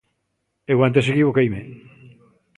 Eu antes equivoqueime.